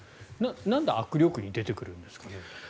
なんで握力に出てくるんですかね。